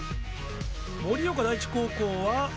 盛岡第一高校は？